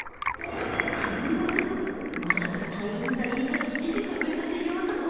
ここの男まさか催淫剤入りと知ってて食べさせようと